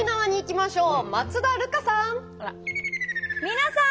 皆さん！